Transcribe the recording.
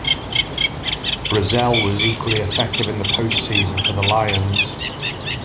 Brazzell was equally effective in the post-season for the Lions.